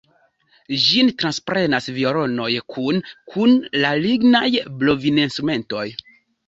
Ĝin transprenas violonoj kune kun la lignaj blovinstrumentoj.